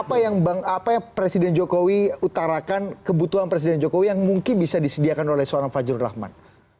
apa yang presiden jokowi utarakan kebutuhan presiden jokowi yang mungkin bisa disediakan oleh seorang fajrul rahman